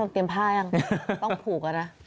ผมต้องเตรียมผ้าอย่างนี้ต้องผูกอะนะ